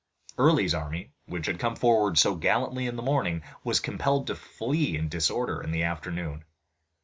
Early's army which had come forward so gallantly in the morning was compelled to flee in disorder in the afternoon.